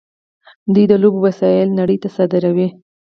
دوی د لوبو وسایل نړۍ ته صادروي.